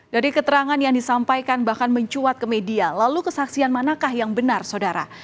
dari keterangan yang disampaikan bahkan mencuat ke media lalu kesaksian manakah yang benar saudara